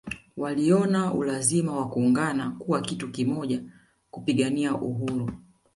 Waliona ulazima wa kuungana kuwa kitu kimoja kupigania uhuru